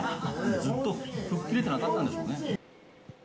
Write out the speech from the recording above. ずっと吹っ切れてなかったんでしょうね。